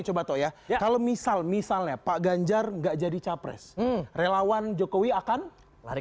coba toh ya kalau misal misalnya pak ganjar enggak jadi capres relawan jokowi akan lari